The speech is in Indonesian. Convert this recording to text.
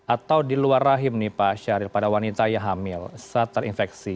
atau di luar rahim nih pak syahril pada wanita yang hamil saat terinfeksi